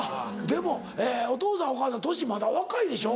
でもお父さんお母さん年まだ若いでしょ？